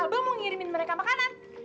sebelum mau ngirimin mereka makanan